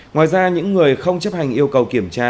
ngoài ra những người không chấp hành yêu cầu kiểm tra